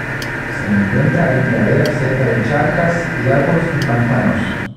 Se encuentra en praderas cerca de charcas, lagos y pantanos.